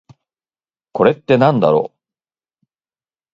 これってなんだろう？